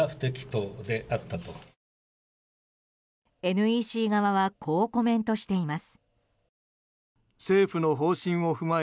ＮＥＣ側はこうコメントしています。